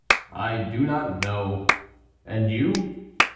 "I do not know. And you?"